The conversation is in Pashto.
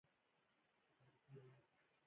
هلته بیا په حقیقي معنا علم نشته.